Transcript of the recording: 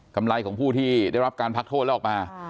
ไรของผู้ที่ได้รับการพักโทษแล้วออกมา